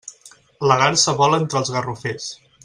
La garsa vola entre els garrofers.